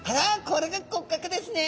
これが骨格ですね！